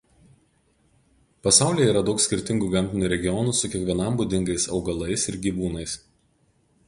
Pasaulyje yra daug skirtingų gamtinių regionų su kiekvienam būdingais augalais ir gyvūnais.